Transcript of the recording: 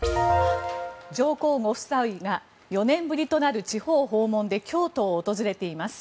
上皇ご夫妻が４年ぶりとなる地方訪問で京都を訪れています。